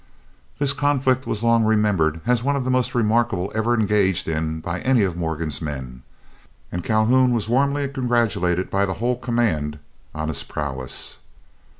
This conflict was long remembered as one of the most remarkable ever engaged in by any of Morgan's men, and Calhoun was warmly congratulated by the whole command on his prowess.